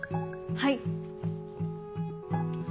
はい。